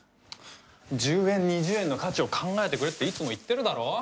１０円２０円の価値を考えてくれっていつも言ってるだろ。